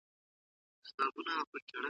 د مور په غېږ او په زانګو کي یې روژې نیولې ,